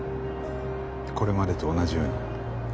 これまでと同じように。